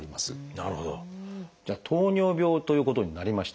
じゃあ糖尿病ということになりました。